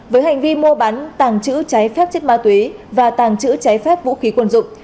với hành vi mua bán tàng trữ trái phép chất ma túy và tàng trữ trái phép vũ khí quân dụng